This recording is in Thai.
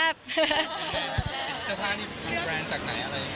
เสธวาธิังคอนแบรนด์จากไหนอะไรอย่างนี้